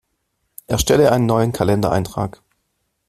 Erstelle einen neuen Kalendereintrag!